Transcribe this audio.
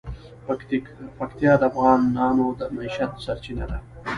پکتیا د افغانانو د معیشت سرچینه ده.